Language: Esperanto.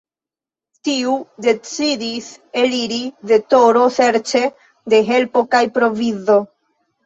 Tiu decidis eliri al Toro serĉe de helpo kaj provizo.